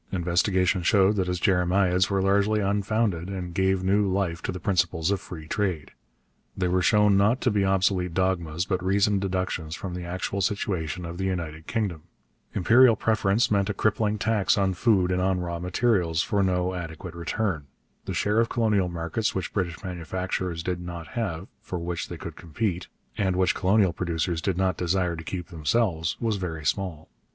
Investigation showed that his jeremiads were largely unfounded, and gave new life to the principles of free trade. They were shown not to be obsolete dogmas, but reasoned deductions from the actual situation of the United Kingdom. Imperial preference meant a crippling tax on food and on raw materials for no adequate return. The share of colonial markets which British manufacturers did not have, for which they could compete, and which colonial producers did not desire to keep themselves, was very small.